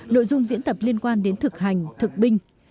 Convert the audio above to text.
nội dung diễn tập liên quan đến thực hành thực binh